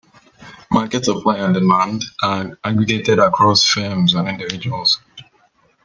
Market supply and demand are aggregated across firms and individuals.